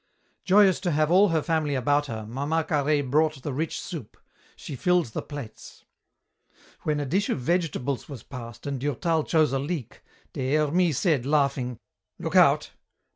Joyous to have all her family about her, Mama Carhaix brought the rich soup. She filled the plates. When a dish of vegetables was passed and Durtal chose a leek, Des Hermies said, laughing, "Look out!